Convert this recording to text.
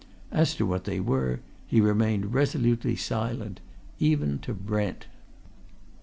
As to what they were, he remained resolutely silent, even to Brent.